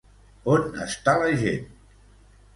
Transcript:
On està la gent?